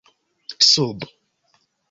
sub